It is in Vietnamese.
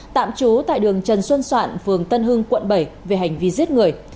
tạm trú tại đường trần xuân soạn phường tân hưng quận bảy về hành vi giết người